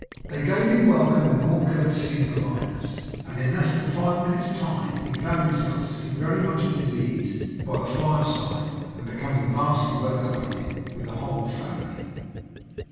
They gave him welcome in all courtesy and politeness; and in less than five minutes' time he found himself sitting very much at his ease by the fireside, and becoming vastly well acquainted with the whole family.